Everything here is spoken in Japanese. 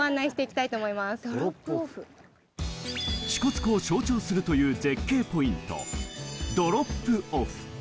支笏湖を象徴するという絶景ポイント、ドロップオフ。